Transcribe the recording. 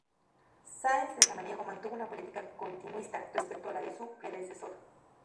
Sáenz de Samaniego mantuvo una política continuista respecto a la de su predecesor.